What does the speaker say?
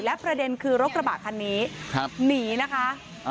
และประเด็นคือรถกระบะคันนี้หนีนะคะ